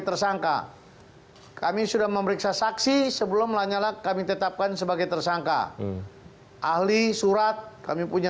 the sun hai sayang seal henu maya ayahnya se superstar mengucapkan biasa kepada melahirkan